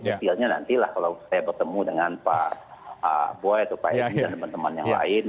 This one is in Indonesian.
detailnya nantilah kalau saya bertemu dengan pak boy atau pak edi dan teman teman yang lain